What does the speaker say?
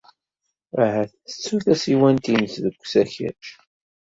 Ahat tettu tasiwant-nnes deg usakac.